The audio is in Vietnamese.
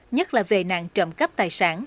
nhất là về nạn trậm cấp tài sản